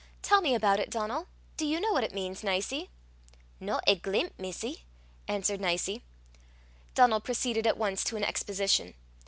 Tell me about it, Donal. Do you know what it means, Nicie?" "No ae glimp, missie," answered Nicie. Donal proceeded at once to an exposition.